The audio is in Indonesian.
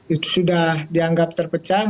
itu sudah dianggap terpecah